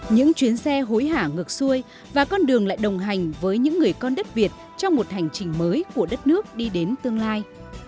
những chuyến xe hối hả ngược xuôi và con đường lại đồng hành với những người con đất việt trong một hành trình mới của đất nước đi đến tương lai